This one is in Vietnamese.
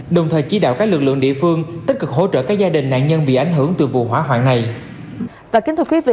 đồng thời chỉ đạo các lực lượng địa phương tích cực hỗ trợ các gia đình nạn nhân bị ảnh hưởng từ vụ hỏa hoạn này